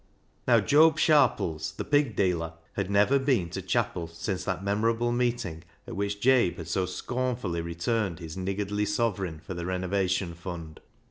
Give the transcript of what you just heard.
Now Job Sharpies, the pig dealer, had never been to chapel since that memorable meeting at which Jabe had so scornfully returned his nig gardly sovereign for the renovation fund.